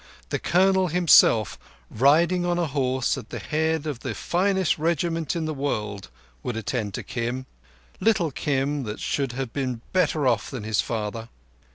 The Colonel himself, riding on a horse, at the head of the finest Regiment in the world, would attend to Kim—little Kim that should have been better off than his father.